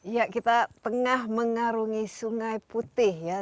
ya kita tengah mengarungi sungai putih ya